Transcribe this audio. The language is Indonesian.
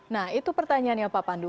nah itu pertanyaannya pak pandu